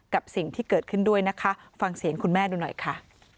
กับสิ่งที่เกิดขึ้นด้วยนะคะฟังเสียงคุณแม่ดูหน่อยค่ะ